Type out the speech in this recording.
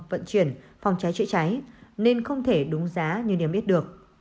vận chuyển phòng cháy chữa cháy nên không thể đúng giá như niêm yết được